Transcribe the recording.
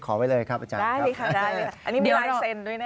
ขอไว้เลยครับอาจารย์ครับได้เลยค่ะใด